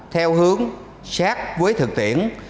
theo hướng sát với thực tiễn